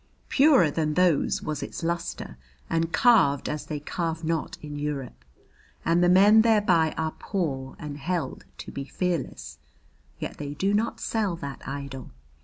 Purer than those was its luster and carved as they carve not in Europe, and the men thereby are poor and held to be fearless yet they do not sell that idol.